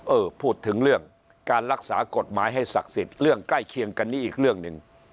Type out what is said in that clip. เออพูดถึงเรื่องการรักษากฎหมายให้ศักดิ์สิทธิ์เรื่องใกล้เคียงกันนี้อีกเรื่องหนึ่ง